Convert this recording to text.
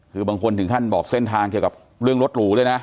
คือบางคนถึงขั้นบอกเส้นทางเกี่ยวกับเรื่องรถหรูเลยนะ